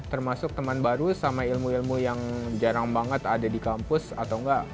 termasuk teman baru sama ilmu ilmu yang jarang banget ada di kampus atau enggak